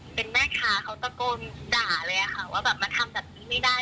เป็นแม่ค้าเขาตะโกนด่าเลยค่ะว่าแบบมาทำแบบนี้ไม่ได้